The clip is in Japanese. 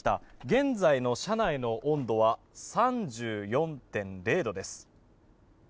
現在の車内の温度は３４．０度です。